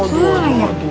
aduh aduh aduh